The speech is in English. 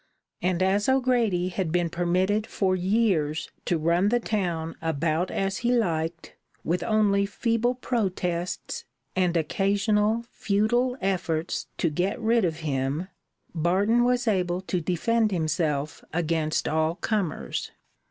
And as O'Grady had been permitted for years to run the town about as he liked, with only feeble protests and occasional futile efforts to get rid of him, Barton was able to defend himself against all comers.